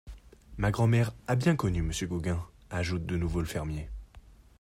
Ma grand'mère a bien connu M. Gauguin, ajoute de nouveau le fermier.